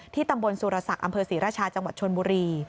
ตำบลสุรศักดิ์อำเภอศรีราชาจังหวัดชนบุรี